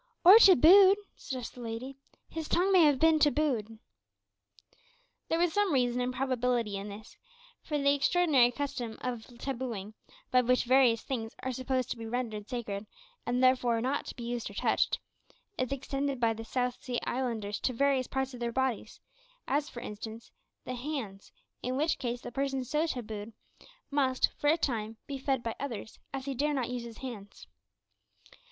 "Or tabooed," suggested the lady; "his tongue may have been tabooed." There was some reason and probability in this, for the extraordinary custom of tabooing, by which various things are supposed to be rendered sacred, and therefore not to be used or touched, is extended by the South Sea Islanders to various parts of their bodies, as for instance, the hands; in which case the person so tabooed must, for a time, be fed by others, as he dare not use his hands.